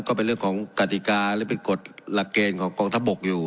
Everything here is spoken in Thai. ก็เป็นเรื่องของกฎิกาหรือเป็นกฎหลักเกณฑ์ของกองทัพบกอยู่